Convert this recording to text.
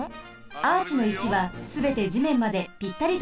アーチの石はすべてじめんまでぴったりとくっついています。